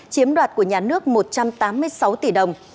chiếm đoạt của nhà nước một trăm tám mươi sáu tỷ đồng